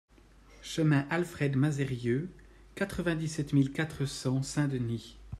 Chemin Alfred Mazerieux, quatre-vingt-dix-sept mille quatre cents Saint-Denis